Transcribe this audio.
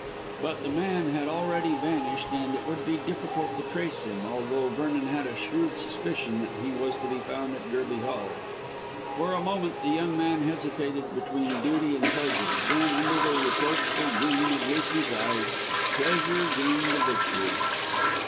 But the man had already vanished and it would be difficult to trace him, although Vernon had a shrewd suspicion that he was to be found at Gerby Hall. For a moment the young man hesitated between duty and pleasure, then, under the reproachful gleam of Lucy's eyes, pleasure gained the victory.